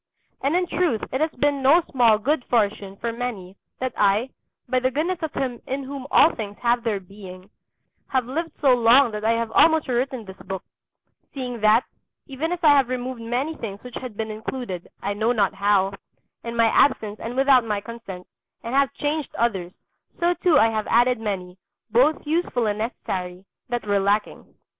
And in truth it has been no small good fortune for many that I, by the goodness of Him in whom all things have their being, have lived so long that I have almost rewritten this book; seeing that, even as I have removed many things which had been included I know not how, in my absence and without my consent, and have changed others, so too I have added many, both useful and necessary, that were lacking.